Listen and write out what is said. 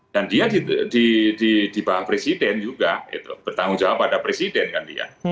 dan dia di bawah presiden juga bertanggung jawab pada presiden kan dia